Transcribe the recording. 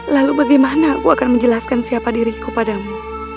lalu bagaimana aku akan menjelaskan siapa diriku padamu